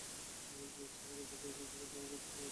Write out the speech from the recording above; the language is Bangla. যা ইচ্ছে কর এখানে তোকে কিছু বলার মত অথবা থামানোর মত কেউ নেই।